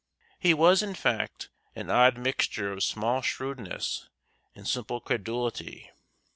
He was, in fact, an odd mixture of small shrewdness and simple credulity.